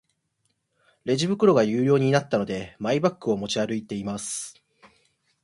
レジ袋が有料になったので、マイバッグを持ち歩いています。